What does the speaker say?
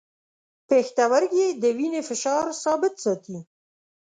پښتورګي د وینې فشار ثابت ساتي.